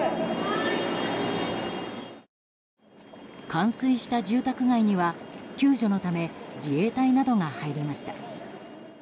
冠水した住宅街には救助のため自衛隊などが入りました。